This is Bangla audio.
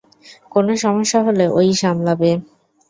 কোনো সমস্যা হলে, ও-ই সামলাবে।